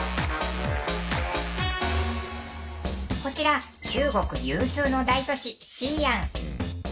こちら中国有数の大都市西安。